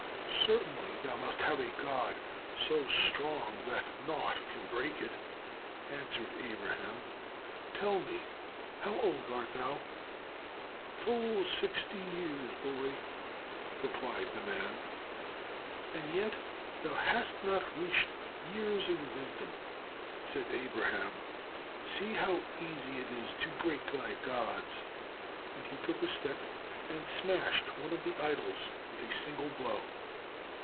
"Certainly thou must have a god so strong that naught can break it," answered Abraham. "Tell me, how old art thou?" "Full sixty years, boy," replied the man. "And yet thou hast not reached years of wisdom," said Abraham. "See how easy it is to break thy gods," and he took a stick and smashed one of the idols with a single blow.